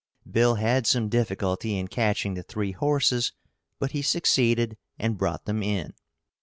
Bill had some difficulty in catching the three horses, but he succeeded and brought them in.